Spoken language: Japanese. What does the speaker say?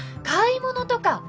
買い物とか。